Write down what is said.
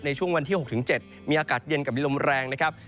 ในช่วงวันที่๖๗มีอากาศเย็นกับมีลมแรงนะครับ